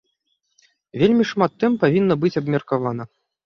Вельмі шмат тэм павінна быць абмеркавана!